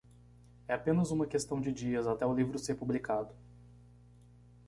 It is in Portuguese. É apenas uma questão de dias até o livro ser publicado.